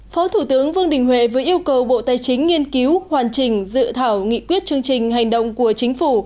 phó thủ tướng vương đình huệ vừa yêu cầu bộ tài chính nghiên cứu hoàn chỉnh dự thảo nghị quyết chương trình hành động của chính phủ